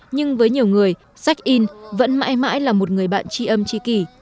nhưng với nhiều người sách in vẫn mãi mãi là một người bạn chi âm chi kỷ